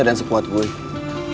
itu yang paling penting buat gue